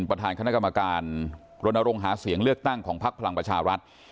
ประธานคณะกรรมการรณรงค์หาเสียงเลือกตั้งของพักพลังประชารัฐ